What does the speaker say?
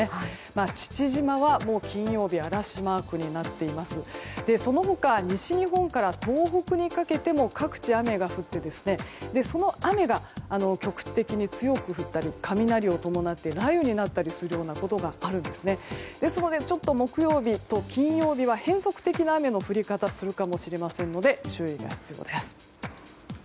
父島は金曜日嵐マークになっていますしその他、西日本から東北にかけて各地で雨が降ってその雨が局地的に強く降ったり雷を伴って雷雨になったりするようなことがありますので木曜日と金曜日は変則的な雨の降り方をするかもしれませんので注意が必要です。